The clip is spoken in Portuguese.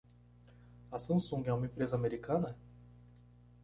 A Samsung é uma empresa americana?